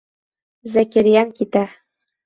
Зәкирйән китә.